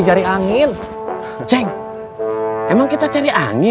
sampai jumpa lagi